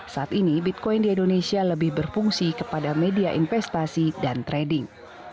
saat ini bitcoin di indonesia lebih berfungsi kepada media investasi dan trading